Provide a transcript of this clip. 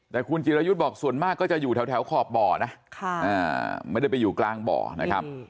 แต่คุณจิรายุทธ์บอกส่วนมากก็จะอยู่แถวขอบบ่อนะไม่ได้ไปอยู่กลางบ่อนะครับ